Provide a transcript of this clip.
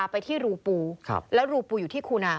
ไปที่รูปูแล้วรูปูอยู่ที่คูนา